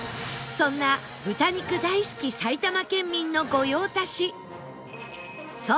そんな豚肉大好き埼玉県民の御用達